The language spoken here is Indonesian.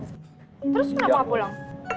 terus kenapa pulang